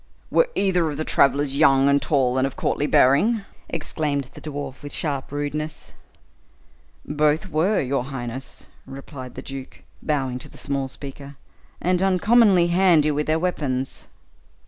"Were either of the travelers young, and tall, and of courtly bearing?" exclaimed the dwarf with sharp rudeness. "Both were, your highness," replied the duke, bowing to the small speaker, "and uncommonly handy with their weapons."